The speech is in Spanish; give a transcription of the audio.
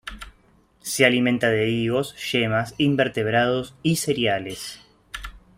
Se alimenta de higos, yemas, invertebrados y cereales.